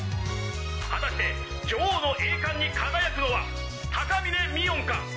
果たして女王の栄冠に輝くのは高峰みおんか！？